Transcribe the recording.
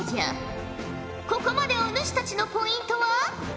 ここまでお主たちのポイントは。